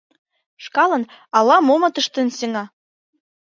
Шкалан ала-момат ыштен сеҥа».